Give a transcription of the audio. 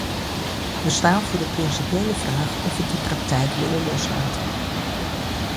We staan voor de principiële vraag of we die praktijk willen loslaten.